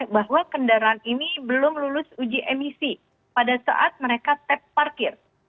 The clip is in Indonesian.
bahwa kendaraan ini belum lulus uji emisi pada saat mereka tap parkir